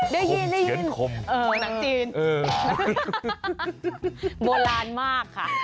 ได้ยินคมเฉือนคมนางจีนเออโบราณมากค่ะ